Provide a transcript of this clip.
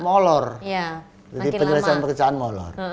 molor jadi penyelesaian pekerjaan molor